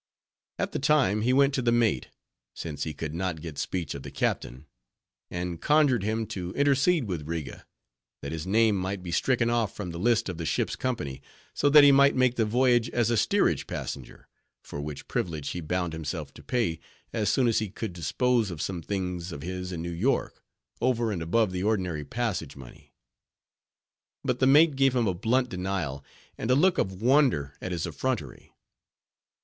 At the time, he went to the mate—since he could not get speech of the captain—and conjured him to intercede with Riga, that his name might be stricken off from the list of the ship's company, so that he might make the voyage as a steerage passenger; for which privilege, he bound himself to pay, as soon as he could dispose of some things of his in New York, over and above the ordinary passage money. But the mate gave him a blunt denial; and a look of wonder at his effrontery.